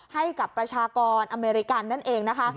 ให้กับประชากรอเมริกันนั่นเองนะคะ